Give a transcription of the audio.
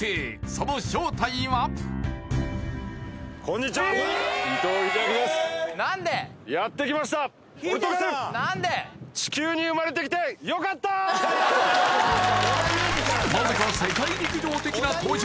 その正体はなぜか世界陸上的な登場